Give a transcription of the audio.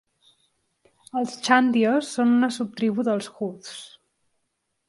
Els "chandios" són una subtribu dels "hooths".